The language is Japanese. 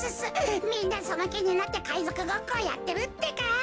みんなそのきになってかいぞくごっこをやってるってか！